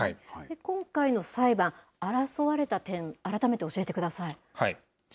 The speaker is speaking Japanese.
今回の裁判、争われた点、改めて教えてください。